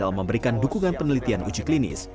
dalam memberikan dukungan penelitian uji klinis